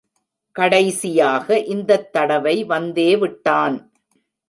கடைசியாக இந்தத் தடவை வந்தேவிட்டான்.